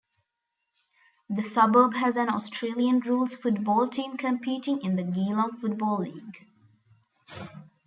The suburb has an Australian Rules football team competing in the Geelong Football League.